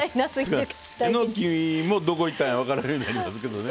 えのきもどこいったんや分からんようになりますけどね。